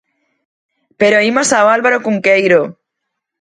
Pero imos ao Álvaro Cunqueiro.